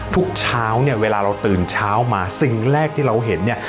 ทุกเช้าเนี่ยเวลาเราตื่นเช้ามาสิ่งแรกที่เราเห็นเนี่ย